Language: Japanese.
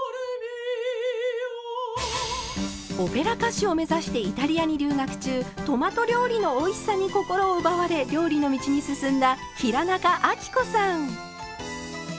オペラ歌手を目指してイタリアに留学中トマト料理のおいしさに心を奪われ料理の道に進んだ平仲亜貴子さん。